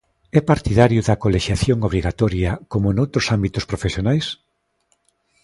É partidario da colexiación obrigatoria, como noutros ámbitos profesionais?